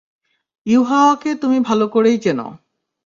ইউহাওয়াকে তুমি ভাল করেই চেন।